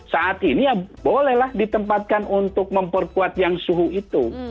saat ini ya bolehlah ditempatkan untuk memperkuat yang suhu itu